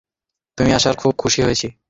তুমি আসায় খুব খুশি হয়েছি।